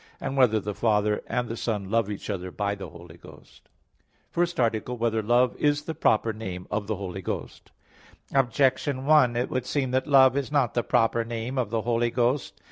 (2) Whether the Father and the Son love each other by the Holy Ghost? _______________________ FIRST ARTICLE [I, Q. 37, Art. 2] Whether "Love" Is the Proper Name of the Holy Ghost? Objection 1: It would seem that "Love" is not the proper name of the Holy Ghost.